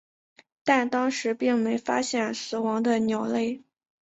但当时并没发现死亡的鸟类。